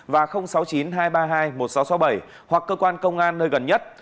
và sáu mươi chín hai trăm ba mươi hai một nghìn sáu trăm sáu mươi bảy hoặc cơ quan công an nơi gần nhất